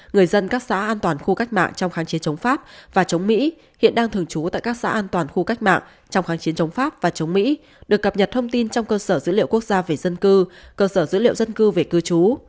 người dân các xã an toàn khu cách mạng trong kháng chiến chống pháp và chống mỹ hiện đang thường trú tại các xã an toàn khu cách mạng trong kháng chiến chống pháp và chống mỹ được cập nhật thông tin trong cơ sở dữ liệu quốc gia về dân cư cơ sở dữ liệu dân cư về cư trú